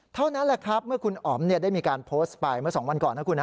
เท่านั้นแหละครับเมื่อคุณอ๋อมได้มีการโพสต์ไปเมื่อ๒วันก่อนนะคุณนะ